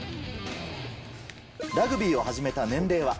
ラグビーを始めた年齢は？